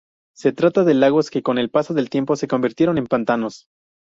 Se trata de lagos que con el paso del tiempo se convirtieron en pantanos.